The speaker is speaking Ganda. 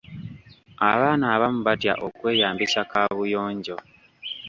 Abaana abamu batya okweyambisa kaabuyonjo.